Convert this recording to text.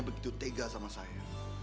begitu tega sama saya